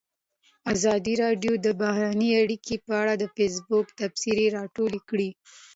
ازادي راډیو د بهرنۍ اړیکې په اړه د فیسبوک تبصرې راټولې کړي.